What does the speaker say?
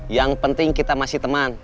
yang penting kita masih teman